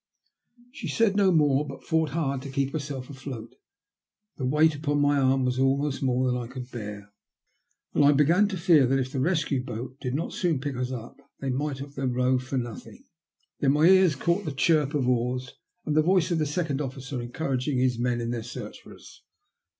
She said no more, but fought hard to keep her self afloat. The weight upon my arm was almost more than I could bear, and I began to fear that if the rescue boat did not soon pick us up they might have their row for nothing. Then my ears caught the chirp of oars, and the voice of the second officer encouraging his men in their search for us.